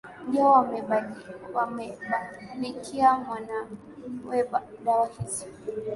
ndio wamembabikia mwanawe dawa hizo